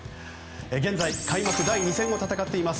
現在開幕第２戦を戦っています。